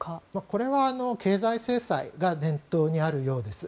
これは経済制裁が念頭にあるようです。